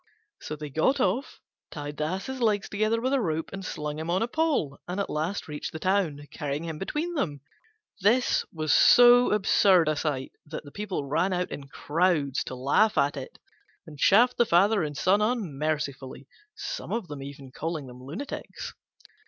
So they got off, tied the Ass's legs together with a rope and slung him on a pole, and at last reached the town, carrying him between them. This was so absurd a sight that the people ran out in crowds to laugh at it, and chaffed the Father and Son unmercifully, some even calling them lunatics.